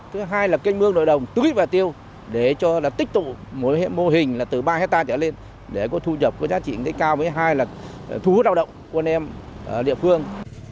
thứ hai là kênh mương nội đồng tư ít và tiêu để tích tụ mô hình từ ba hectare trở lên để có thu nhập có giá trị cao thứ hai là thu hút đạo động của nền địa phương